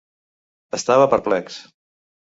Estava perplex.